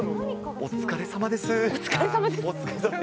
お疲れさまです。